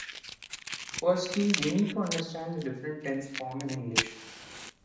Firstly, we need to understand the different tense forms in English.